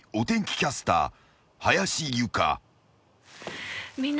キャスター林佑香］